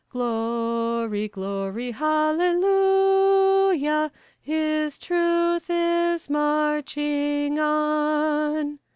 Glory, glory, hallelujah! His truth is marching on.